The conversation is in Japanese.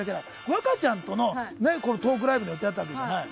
若ちゃんとのトークライブの予定だったわけじゃない。